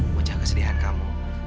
wajah kesedihan kamu